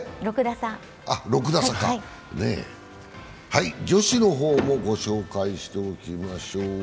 はい、女子の方もご紹介しておきましょう。